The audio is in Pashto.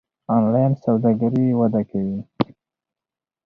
انلاین سوداګري وده کوي.